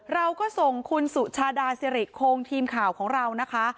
เราก็ส่งคุณสุชาดาสิริโครงทีมข่าวของเรานะคะ